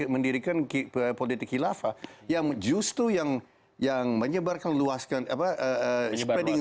mendirikan ke politik khilafah yang justru yang yang menyebarkan luaskan apa spediting